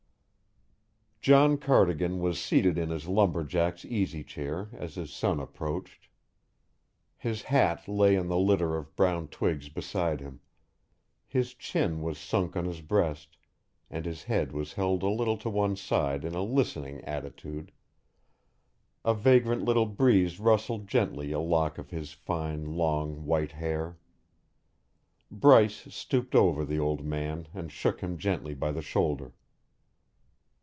John Cardigan was seated in his lumberjack's easy chair as his son approached. His hat lay on the litter of brown twigs beside him; his chin was sunk on his breast, and his head was held a little to one side in a listening attitude; a vagrant little breeze rustled gently a lock of his fine, long white hair. Bryce stooped over the old man and shook him gently by the shoulder.